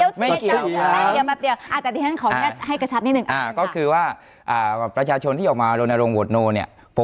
เดี๋ยวเดี๋ยวแบบเดี๋ยวอ่าแต่ทีนั้นขอให้กระชับนิดหนึ่งอ่า